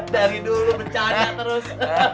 dari dulu bercanda terus